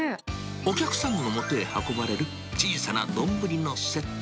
お客さんのもとへ運ばれる小さな丼のセット。